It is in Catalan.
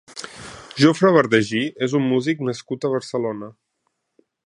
Jofre Bardagí és un músic nascut a Barcelona.